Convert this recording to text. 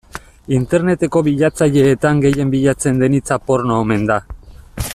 Interneteko bilatzaileetan gehien bilatzen den hitza porno omen da.